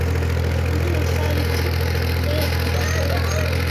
என்று விசாரித்துக் கொண்டே இருந்தார்கள்.